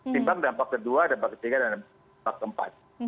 timbang dampak kedua dampak ketiga dan dampak keempat